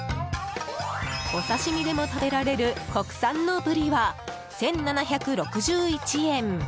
お刺し身でも食べられる国産のブリは、１７６１円。